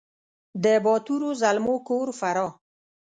د باتورو زلمو کور فراه !